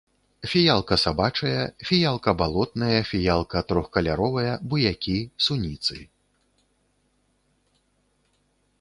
Фіялка сабачая, фіялка балотная, фіялка трохкаляровая, буякі, суніцы.